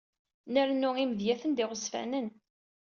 Nrennu imedyaten d iɣezfanen.